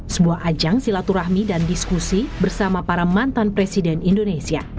sebuah ajang silaturahmi dan diskusi bersama para mantan presiden indonesia